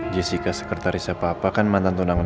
jessica sekretaris apa apa kan mantan tunangnya randy